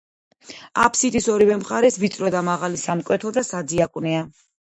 აფსიდის ორივე მხარეს ვიწრო და მაღალი სამკვეთლო და სადიაკვნეა.